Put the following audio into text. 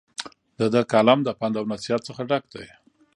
د دۀ کالم د پند او نصيحت نه ډک دے ۔